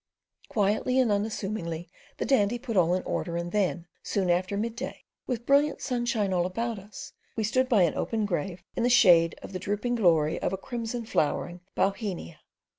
Quietly and unassumingly, the Dandy put all in order and then, soon after midday, with brilliant sunshine all about us, we stood by an open grave in the shade of the drooping glory of a crimson flowering bauhenia.